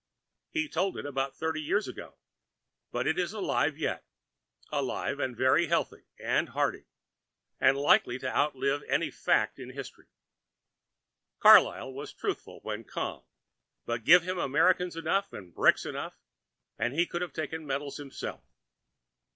He told it above thirty years ago, but it is alive yet; alive, and very healthy and hearty, and likely to outlive any fact in history. Carlyle was truthful when calm, but give him Americans enough and bricks enough and he could have taken medals himself.